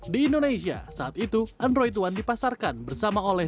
di indonesia saat itu android one dipasarkan bersama oleh